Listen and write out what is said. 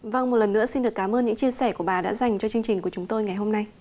vâng một lần nữa xin được cảm ơn những chia sẻ của bà đã dành cho chương trình của chúng tôi ngày hôm nay